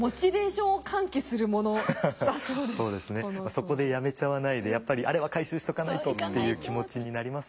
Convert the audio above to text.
そこでやめちゃわないでやっぱりあれは回収しとかないとっていう気持ちになりますもんね。